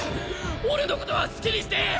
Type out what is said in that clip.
俺のことは好きにしていい！